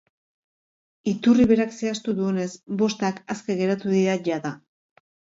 Iturri berak zehaztu duenez, bostak aske geratu dira jada.